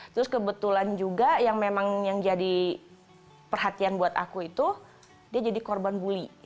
terus kebetulan juga yang memang yang jadi perhatian buat aku itu dia jadi korban bully